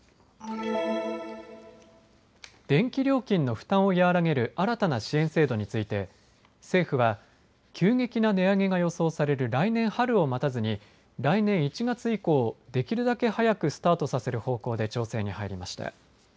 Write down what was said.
電気料金の負担を和らげる新たな支援制度について政府は急激な値上げが予想される来年春を待たずに来年１月以降、できるだけ早くスタートさせる方向で調整に入りました。